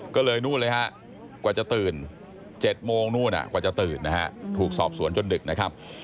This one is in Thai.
ก็เลยนู่นเลยฮะกว่าจะตื่น๗โมงนู่นกว่าจะตื่นนะฮะถูกสอบสวนจนดึกนะครับ